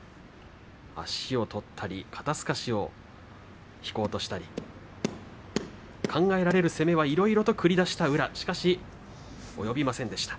足を取ったり肩すかしを引こうとしたり考えられる攻めはいろいろと繰り出しました。